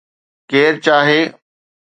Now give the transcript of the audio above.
ڪير چاهي